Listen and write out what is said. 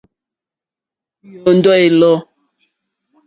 Yɔ́ndɔ̀ é lɔ̂.